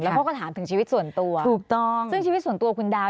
แล้วก็ถามถึงชีวิตส่วนตัวซึ่งชีวิตส่วนตัวคุณดาว